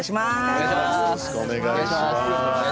よろしくお願いします。